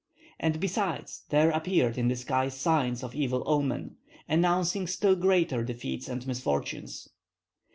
And besides there appeared in the sky signs of evil omen, announcing still greater defeats and misfortunes.